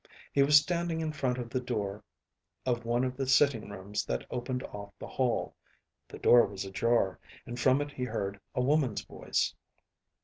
He was standing in front of the door of one of the sitting rooms that opened off the hall. The door was ajar, and from it he heard a woman's voice.